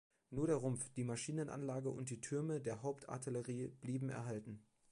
Nur der Rumpf, die Maschinenanlage und die Türme der Hauptartillerie blieben erhalten.